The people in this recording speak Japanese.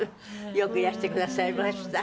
よくいらしてくださいました。